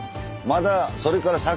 まだそれから先。